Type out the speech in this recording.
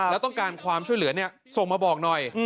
แล้วต้องการความช่วยเหลือส่งมาบอกหน่อย